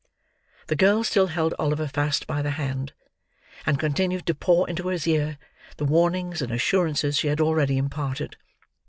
The girl still held Oliver fast by the hand, and continued to pour into his ear, the warnings and assurances she had already imparted.